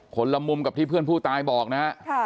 ละมุมกับที่เพื่อนผู้ตายบอกนะฮะ